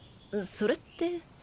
それって。